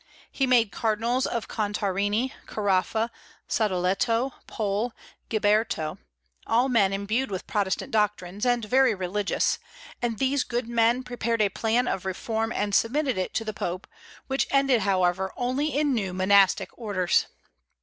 He made cardinals of Contarini, Caraffa, Sadoleto, Pole, Giberto, all men imbued with Protestant doctrines, and very religious; and these good men prepared a plan of reform and submitted it to the Pope, which ended, however, only in new monastic orders.